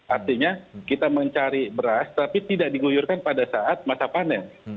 artinya kita mencari beras tapi tidak diguyurkan pada saat masa panen